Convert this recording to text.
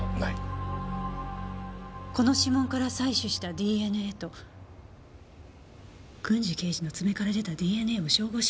この指紋から採取したＤＮＡと郡侍刑事の爪から出たＤＮＡを照合しろって事？